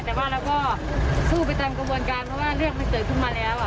แต่ว่าเราก็สู้ไปตามกระบวนการเพราะว่าเรื่องมันเกิดขึ้นมาแล้ว